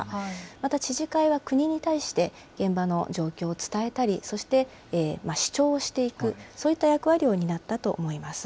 また知事会は国に対して現場の状況を伝えたり、そして主張をしていく、そういう役割を担ったと思います。